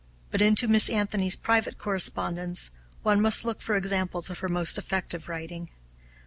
But into Miss Anthony's private correspondence one must look for examples of her most effective writing.